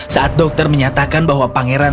saat dokter menyatukan dia untuk menangkap mariana